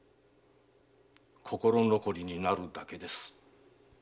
心残りになるだけです。